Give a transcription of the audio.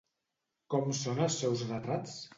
Com són els seus retrats?